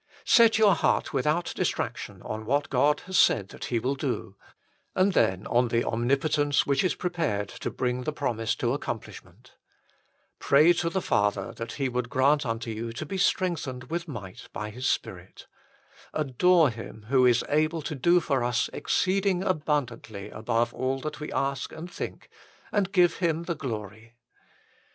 2 Set your heart without distraction on what God has said that He will do, and then on the Omnipotence which is prepared to bring the promise to accomplish 1 Num. xiii. 30. 2 Gen. xvii. 1. HOW FULLY IT IS ASSURED TO US BY GOD 147 ment. Pray to the Father that He would grant unto you to be strengthened with might by His Spirit. Adore Him who is able to do for us exceeding abundantly above all that we ask and think, and give Him the glory.